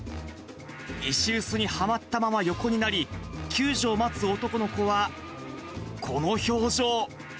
石臼にはまったまま横になり、救助を待つ男の子は、この表情。